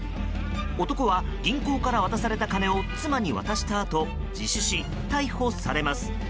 男は銀行から渡されたお金を妻に渡したあと自首し逮捕されます。